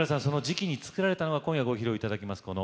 その時期に作られたのが今夜ご披露頂きます